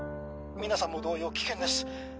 皆さんも同様危険です。